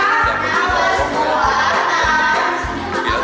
dan menjaga kemampuan yang berlaku